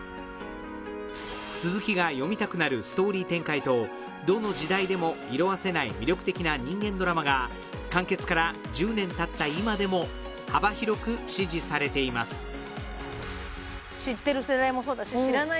続きが読みたくなるストーリー展開とどの時代でも色あせない魅力的な人間ドラマが完結から１０年たった今でも幅広く支持されていますええ！